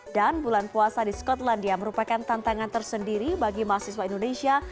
dan bulan puasa di skotlandia merupakan tantangan tersendiri bagi mahasiswa indonesia